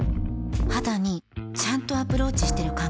肌にちゃんとアプローチしてる感覚